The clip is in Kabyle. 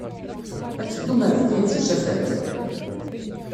Ad teddum ɣer Bgayet s usafag?